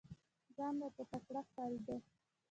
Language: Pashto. ځان راته تکړه ښکارېدی !